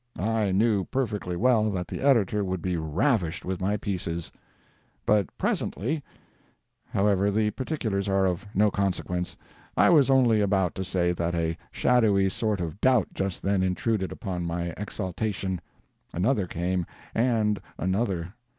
I knew perfectly well that the editor would be ravished with my pieces. But presently— However, the particulars are of no consequence. I was only about to say that a shadowy sort of doubt just then intruded upon my exaltation. Another came, and another.